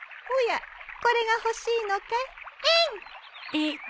おやこれが欲しいのかい？